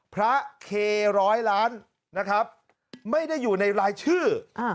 เคร้อยล้านนะครับไม่ได้อยู่ในรายชื่อ